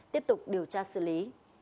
tiếp tục điều tra xử lý